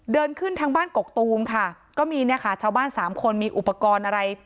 เดินขึ้นทางบ้านกกตูมค่ะก็มีเนี่ยค่ะชาวบ้านสามคนมีอุปกรณ์อะไร